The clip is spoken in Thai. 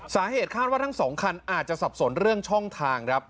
สาเหตุคาดว่าทั้งสองคันอาจจะสับสนเรื่องช่องทางครับ